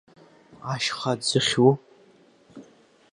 Ашьха ӡыхьу?